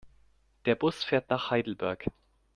Der Bus fährt nach Heidelberg